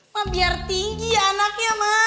ma biar tinggi ya anaknya ma